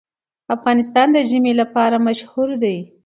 افغانستان د ژمی لپاره مشهور دی.